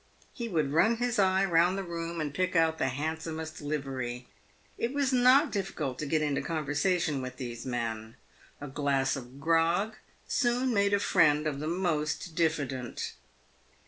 He would run his eye round the room and pick out the handsomest livery. It was not difficult to get into conversation with these men. A glass of grog soon made a friend of the most diffident.